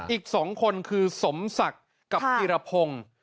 อีก๒คนคือสมศักดิ์กับธีรพงศ์